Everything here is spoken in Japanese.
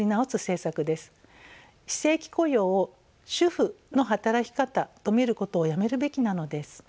非正規雇用を主婦の働き方と見ることをやめるべきなのです。